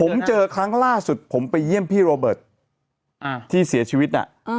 ผมเจอครั้งล่าสุดผมไปเยี่ยมพี่โรเบิร์ตที่เสียชีวิตน่ะ